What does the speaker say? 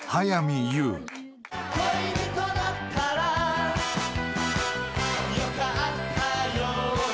「恋人だったらよかったよね」